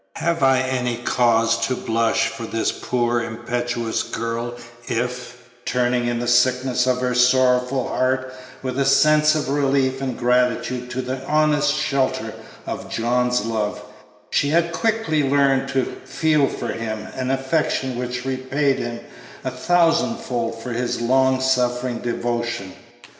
Have I any cause to blush for this poor, impetuous girl if, turning in the sickness of her sorrowful heart with a sense of relief and gratitude to the honest shelter of John's love, she had quickly learned to feel for him an affection which repaid him a thousand fold for his long suffering devotion?